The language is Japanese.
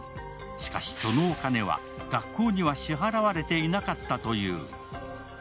しかし、そのお金は学校には支払われていなかったという。